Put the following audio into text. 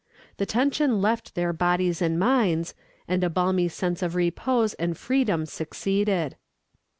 The tension left their bodies and minds, and a balmy sense of repose and freedom succeeded.